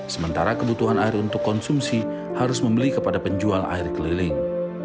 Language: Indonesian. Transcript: sementara kebutuhan air untuk konsumsi harus membeli kepada penjual air keliling